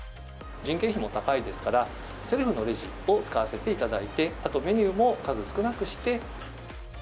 人件費も高いですから、セルフのレジを使わせていただいて、あとメニューも数少なくして。